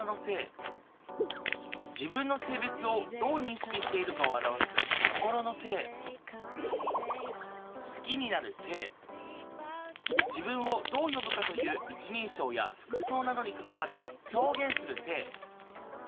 自分の性別をどう認識しているかを表す心の性好きになる性自分をどう呼ぶかという一人称や服装などに関わる表現する性。